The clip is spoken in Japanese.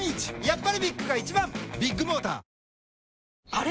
あれ？